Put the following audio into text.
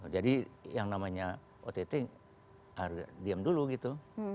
jadi yang namanya ott harus diam dulu gitu